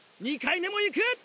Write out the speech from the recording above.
２回目もいく！